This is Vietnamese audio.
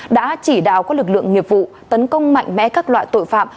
đã chỉ đạo các lực lượng nghiệp vụ tấn công mạnh mẽ các loại tội phạm